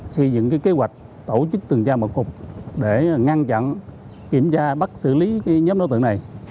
xây dựng kế hoạch tổ chức tường tra một cục để ngăn chặn kiểm tra bắt xử lý nhóm đối tượng này